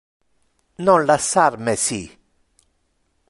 Non lassar me ci.